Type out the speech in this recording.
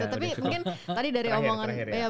tapi mungkin tadi dari omongan